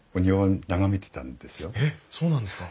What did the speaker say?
えっそうなんですか？